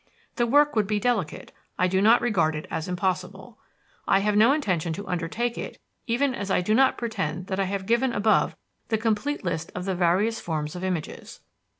The work would be delicate; I do not regard it as impossible. I have no intention to undertake it, even as I do not pretend that I have given above the complete list of the various forms of images.